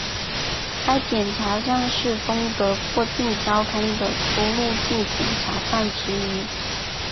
该检查站是东德过境交通的出入境检查站之一。